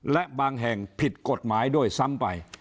และบางแห่งผิดกฎหมายด้วยซ้ำไป